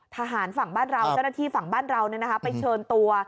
ทหารฝั่งบ้านเราเจ้าหน้าที่ฝั่งบ้านเราไปเชิญตัว